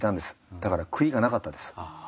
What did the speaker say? だから悔いがなかったです。